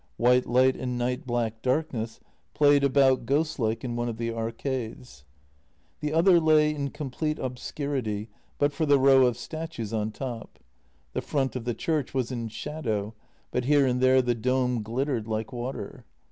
White light and night black darkness played about ghostlike in one of the arcades. The other lay in complete obscurity but for the row of statues on top. The front of the church was in shadow, but here and there the dome glittered like water.